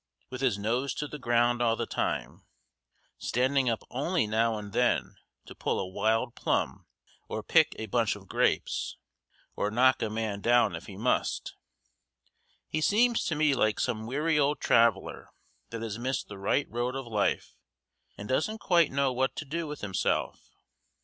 With his nose to the ground all the time, standing up only now and then to pull a wild plum or pick a bunch of grapes, or knock a man down if he must, he seems to me like some weary old traveler that has missed the right road of life and doesn't quite know what to do with himself.